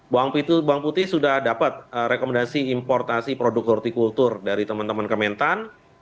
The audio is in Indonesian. bawang putih sudah dapat rekomendasi importasi produk hortikultur dari teman teman kementerian pertanian